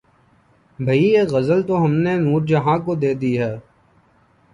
بھئی یہ غزل تو ہم نے نور جہاں کو دے دی ہے